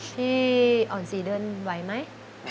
พี่อ่อน๔เดือนไหวไหม